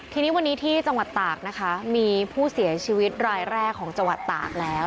ทีนี้วันนี้ที่จังหวัดตากนะคะมีผู้เสียชีวิตรายแรกของจังหวัดตากแล้ว